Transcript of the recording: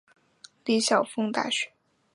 李晓峰大学就读于洛阳医专。